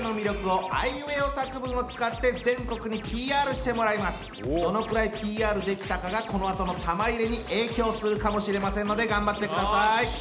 さあ今からどのくらいＰＲできたかがこのあとの玉入れに影響するかもしれませんので頑張ってください。